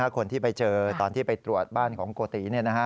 คนที่ไปเจอตอนที่ไปตรวจบ้านของโกติ